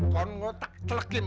kan tak terlegim